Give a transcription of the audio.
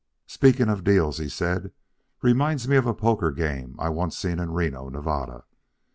"Speaking of deals," he said, "reminds me of a poker game I once seen in Reno, Nevada.